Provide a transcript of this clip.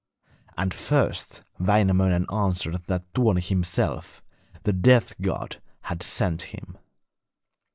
And first Wainamoinen answered that Tuoni himself, the death god, had sent him.